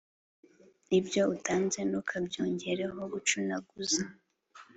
ibyo utanze ntukabyongereho gucunaguza.